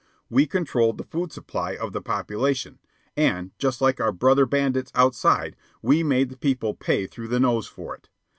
We controlled the food supply of the population, and, just like our brother bandits outside, we made the people pay through the nose for it.